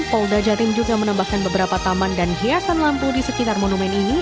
polda jatim juga menambahkan beberapa taman dan hiasan lampu di sekitar monumen ini